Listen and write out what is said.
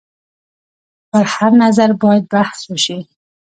پر هر نظر باید بحث وشي.